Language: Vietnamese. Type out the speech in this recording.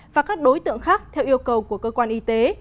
và các đối tượng khác theo yêu cầu của cơ quan y tế